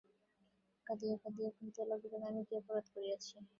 কাঁদিয়া কাঁদিয়া কহিতে লাগিল, আমি কী অপরাধ করিয়াছি?